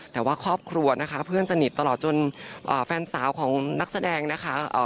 แต่ว่าครอบครัวนะคะเพื่อนสนิทตลอดจนแฟนสาวของนักแสดงนะคะ